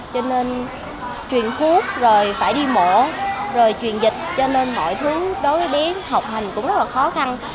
cho nên truyền khuốc rồi phải đi mổ rồi truyền dịch cho nên mọi thứ đối với bé học hành cũng rất là khó khăn